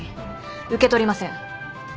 受け取りません。